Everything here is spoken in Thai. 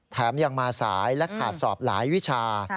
แถมยังมาสายและขาดสอบหลายวิชา